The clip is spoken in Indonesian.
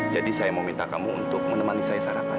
jadi saya mau minta kamu untuk menemani saya sarapan